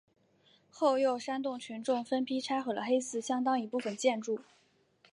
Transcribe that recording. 后又煽动群众分批拆毁了黑寺相当一部分建筑。